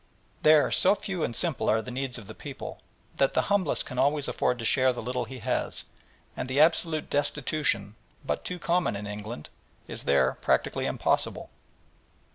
There so few and simple are the needs of the poor that the humblest can always afford to share the little he has, and the absolute destitution, but too common in England, is there practically impossible.